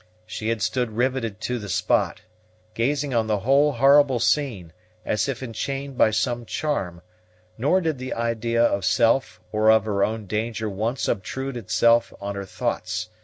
She had stood riveted to the spot, gazing on the whole horrible scene, as if enchained by some charm, nor did the idea of self or of her own danger once obtrude itself on her thoughts.